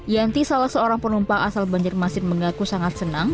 yanti salah seorang penumpang asal banjarmasin mengaku sangat senang